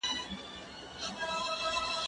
که وخت وي کتابتون ته کتاب وړم